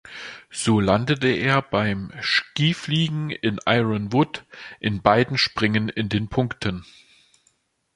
So landete er beim Skifliegen in Ironwood in beiden Springen in den Punkten.